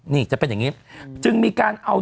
นี่จะเป็นอย่างนี้จึงมีการเอา